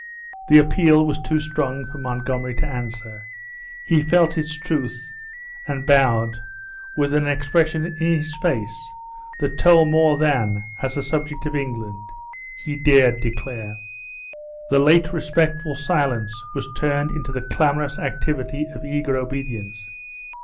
The appeal was too strong for Montgomery to answer; he felt its truth, and bowed, with an expression in his face that told more than, as a subject of England, he dared declare. The late respectful silence was turned into the clamorous activity of eager obedience.